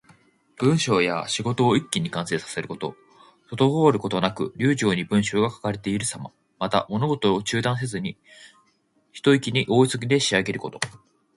文章や仕事を一気に完成させること。滞ることなく流暢に文章が書かれているさま。また、物事を中断せずに、ひと息に大急ぎで仕上げること。